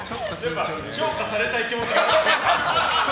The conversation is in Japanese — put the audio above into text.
評価されたい気持ちがあるんだな。